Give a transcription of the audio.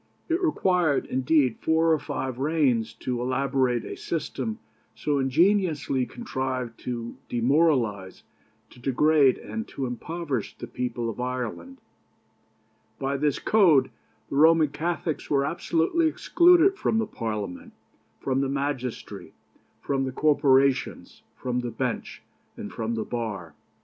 It required, indeed, four or five reigns to elaborate a system so ingeniously contrived to demoralize, to degrade, and to impoverish the people of Ireland. By this code the Roman Catholics were absolutely excluded from the Parliament, from the magistracy, from the corporations, from the bench, and from the bar.